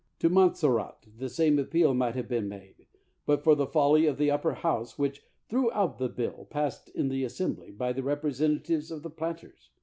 To Montserrat the same appeal might have been made, but for the folly of the upper House, which thi'ew out the bill passed in the Assembly bj' the representatives of the planters.